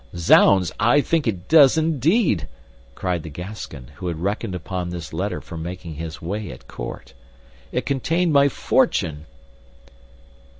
"Zounds! I think it does indeed!" cried the Gascon, who reckoned upon this letter for making his way at court. "It contained my fortune!"